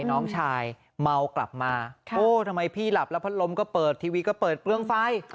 น้องชายเมากลับมาโอ้ทำไมพี่หลับแล้วพัดลมก็เปิดทีวีก็เปิดเปลืองไฟ